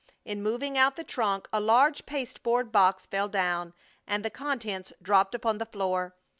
In moving out the trunk a large pasteboard box fell down, and the contents dropped upon the floor.